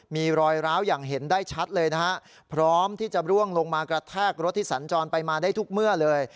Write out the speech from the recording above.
มีรอยร้าวอย่างเห็นได้ชัดเลยนะฮะพร้อมที่จะร่วงลงมากระแทกรถที่สัญจรไปมาได้ทุกเมื่อเลย